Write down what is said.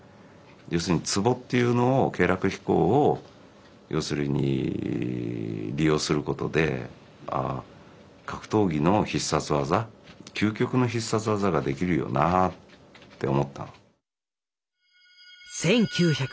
要するにツボっていうのを経絡秘孔を利用することで格闘技の必殺技究極の必殺技ができるよなって思ったの。